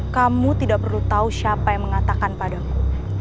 kamu tidak perlu tahu siapa yang mengatakan padaku